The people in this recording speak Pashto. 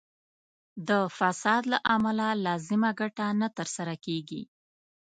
د فساد له امله لازمه ګټه نه تر لاسه کیږي.